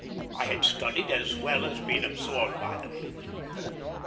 I had studied, as well as been absorbed by them.